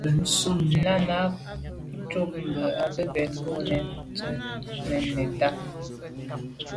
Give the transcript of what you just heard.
Náná cúp mbə̄ á gə̀ mə́ kɔ̌ nə̀ jɔ̌ŋ tsjə́n mɛ́n nə̀tá.